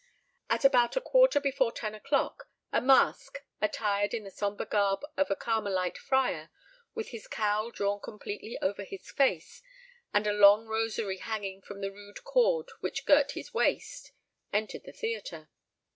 At about a quarter before ten o'clock, a masque, attired in the sombre garb of a Carmelite Friar, with his cowl drawn completely over his face, and a long rosary hanging from the rude cord which girt his waist, entered the theatre.